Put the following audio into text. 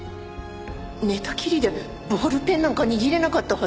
寝たきりでボールペンなんか握れなかったはず。